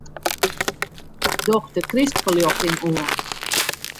Doch de krystferljochting oan.